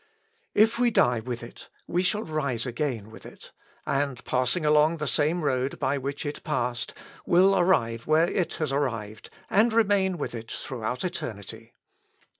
If we die with it, we shall rise again with it; and, passing along the same road by which it passed, will arrive where it has arrived, and remain with it throughout eternity."